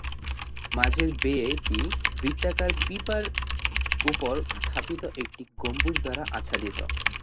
মাঝের ‘বে’ টি বৃত্তাকার পিপার উপর স্থাপিত একটি গম্বুজ দ্বারা আচ্ছাদিত।